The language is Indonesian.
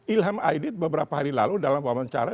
ilham aidit beberapa hari lalu dalam wawancara